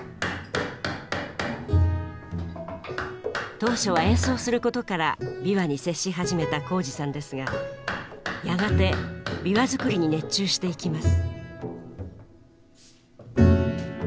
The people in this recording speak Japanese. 当初は演奏することから琵琶に接し始めた宏司さんですがやがて琵琶作りに熱中していきます。